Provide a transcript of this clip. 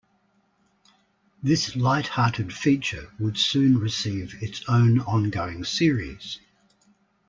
This lighthearted feature would soon receive its own ongoing series.